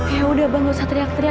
yaudah bang gak usah teriak teriak